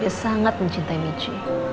dia sangat mencintai michi